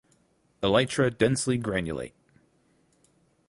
Elytra densely granulate.